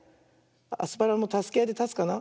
アスパラもたすけあいでたつかな。